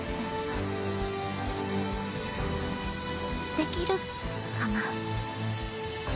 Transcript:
できるかな。